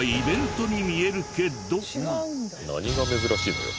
何が珍しいのよ。